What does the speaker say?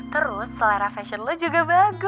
terus selera fashion lo juga bagus